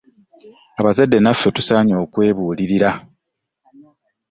Abazadde naffe tusaanye okwebuulirira.